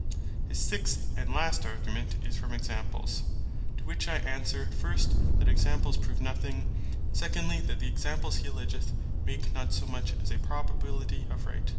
His sixth, and last Argument, is from Examples. To which I answer, first, that Examples prove nothing; Secondly, that the Examples he alledgeth make not so much as a probability of Right.